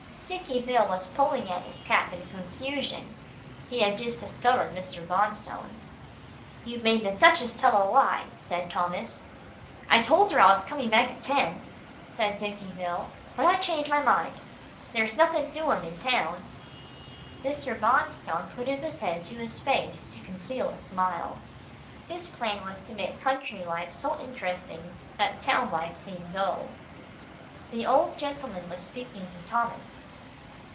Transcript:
Dicky Bill was pulling at his cap in confusion. He had just discovered Mr. Bonstone. "You've made the Duchess tell a lie," said Thomas. "I told her I was coming back at ten," said Dicky Bill, "but I changed my mind. There's nothin' doin' in town." Mr. Bonstone put up his hand to his face, to conceal a smile. His plan was to make country life so interesting, that town life seemed dull. The old gentleman was speaking to Thomas.